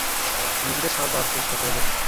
কিন্তু নিজেকে ছাড়াবার চেষ্টা করলে না।